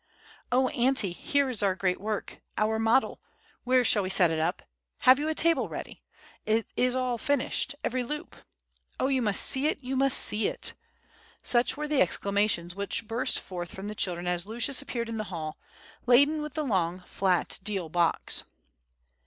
"Oh, auntie, here is our great work—our model! Where shall we set it up? Have you a table ready? It is all finished—every loop! Oh, you must see it! you must see it!" Such were the exclamations which burst from the children as Lucius appeared in the hall, laden with the long, flat deal box.